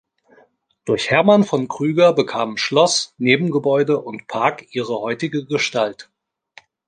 Durch Hermann von Krüger bekamen Schloss, Nebengebäude und Park ihre heutige Gestalt.